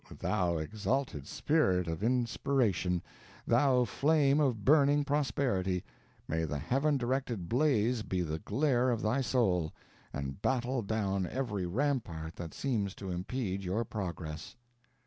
thou exalted spirit of inspiration thou flame of burning prosperity, may the Heaven directed blaze be the glare of thy soul, and battle down every rampart that seems to impede your progress!"